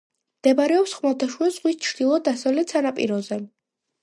მდებარეობს ხმელთაშუა ზღვის ჩრდილო-დასავლეთ სანაპიროზე.